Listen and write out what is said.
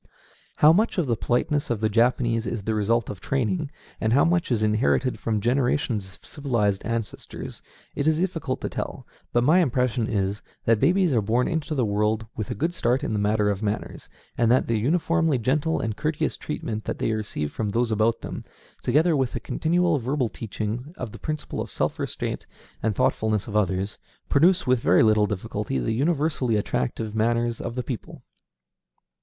How much of the politeness of the Japanese is the result of training, and how much is inherited from generations of civilized ancestors, it is difficult to tell; but my impression is, that babies are born into the world with a good start in the matter of manners, and that the uniformly gentle and courteous treatment that they receive from those about them, together with the continual verbal teaching of the principle of self restraint and thoughtfulness of others, produce with very little difficulty the universally attractive manners of the people.